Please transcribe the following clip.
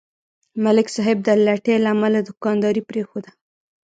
ملک صاحب د لټۍ له امله دوکانداري پرېښوده.